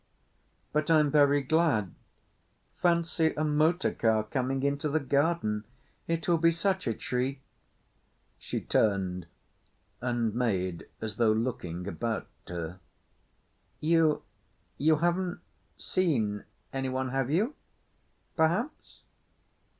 "But I'm very glad. Fancy a motor car coming into the garden! It will be such a treat——" She turned and made as though looking about her. "You—you haven't seen any one have you—perhaps?"